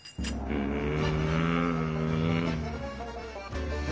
うん。